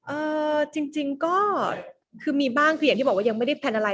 เอ่อจริงจริงก็คือมีบ้างคืออย่างที่บอกว่ายังไม่ได้แพลนอะไร